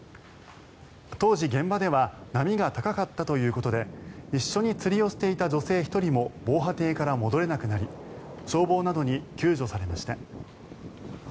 当時、現場では波が高かったということで一緒に釣りをしていた女性１人も防波堤から戻れなくなり消防などに救助されました。